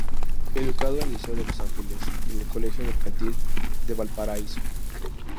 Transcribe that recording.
Educado en el Liceo de Los Ángeles y en el Colegio Mercantil de Valparaíso.